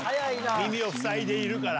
耳をふさいでいるから。